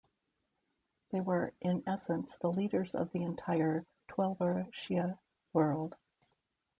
They were in essence the leaders of the entire Twelver Shi'a world.